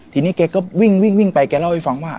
ทีนี้แกก็วิ่งไปแกเล่าให้ฟังว่า